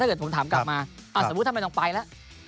เกิดผมถามกลับมาสมมุติทำไมต้องไปแล้ว